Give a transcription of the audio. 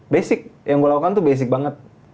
basic yang gue lakukan tuh basic banget